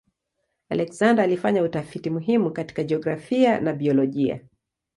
Alexander alifanya utafiti muhimu katika jiografia na biolojia.